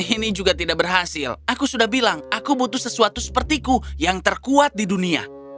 ini juga tidak berhasil aku sudah bilang aku butuh sesuatu sepertiku yang terkuat di dunia